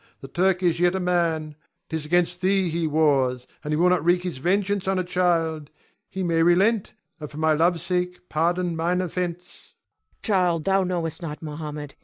The Turk is yet a man; 'tis 'gainst thee he wars, and he will not wreak his vengeance on a child. He may relent, and for my love's sake, pardon mine offence. Cleon. Child, thou knowest not Mohammed.